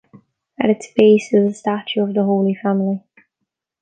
At its base is a statue of the Holy Family.